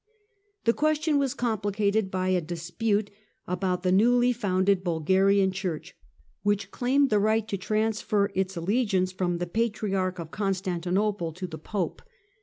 The question was complicated by a dispute about the newly founded Bulgarian Church, which claimed the right to transfer its allegiance from 240 THE DAWN OF MEDIEVAL EUROPE the Patriarch of Constantinople to the Pope.